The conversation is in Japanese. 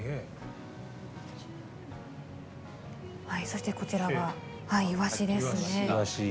そして、こちらがイワシですね。